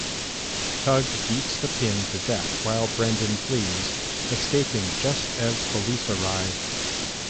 Tug beats The Pin to death while Brendan flees, escaping just as police arrive.